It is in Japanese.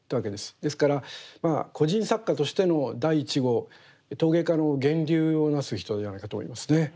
ですからまあ個人作家としての第１号陶芸家の源流をなす人じゃないかと思いますね。